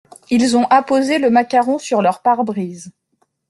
Ils ont apposé le macaron sur leur pare-brise.